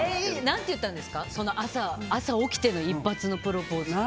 何て、言ったんですか朝起きての一発目のプロポーズ。